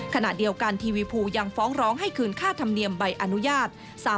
ขณะเดียวกันทีวีภูยังฟ้องร้องให้คืนค่าธรรมเนียมใบอนุญาต